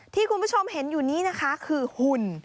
ที่คุณผู้ชมเห็นอยู่นี้นะคะคือหุ่น